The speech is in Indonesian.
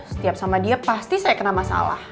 setiap sama dia pasti saya kena masalah